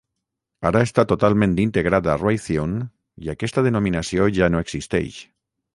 Ara està totalment integrat a Raytheon i aquesta denominació ja no existeix.